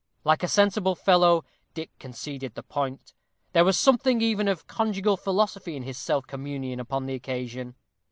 Like a sensible fellow, Dick conceded the point. There was something even of conjugal philosophy in his self communion upon the occasion.